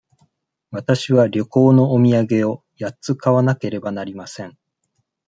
わたしは旅行のお土産を八つ買わなければなりません。